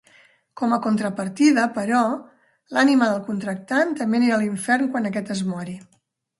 Com a contrapartida, però, l'ànima del contractant també anirà a l'infern quan aquest es mori.